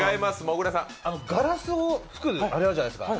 ガラスを作るあれあるじゃないですか。